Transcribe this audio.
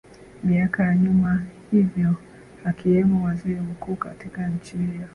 miaka ya nyuma hivyo akiwemo waziri mkuu katika nchi hiyo